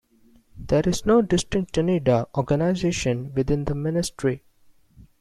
There is no distinct Danida organisation within the Ministry.